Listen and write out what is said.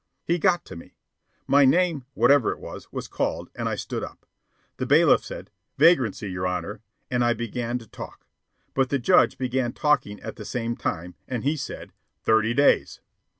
He got to me. My name, whatever it was, was called, and I stood up. The bailiff said, "Vagrancy, your Honor," and I began to talk. But the judge began talking at the same time, and he said, "Thirty days."